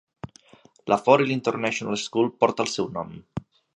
La Forel International School porta el seu nom.